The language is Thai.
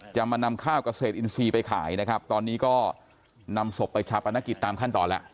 จะมานำข้าวกระเศษอินทรีย์ไปขายตอนนี้ก็นำศพไปชาวประณะกิจตามขั้นตอนแล้ว